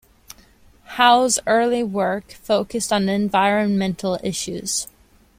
Howe's early work focused on environmental issues.